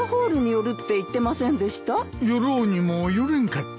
寄ろうにも寄れんかった。